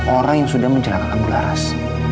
orang yang sudah mencelakai bu laras